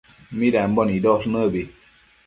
midambo nidosh nëbi